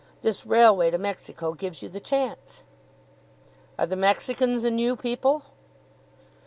This railway to Mexico gives you the chance." "Are the Mexicans a new people?"